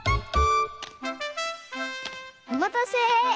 おまたせ！